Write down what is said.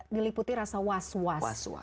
diliputi rasa was was